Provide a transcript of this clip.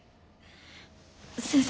先生